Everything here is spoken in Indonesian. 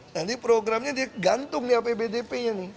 nanti programnya dia gantung nih apbdp nya nih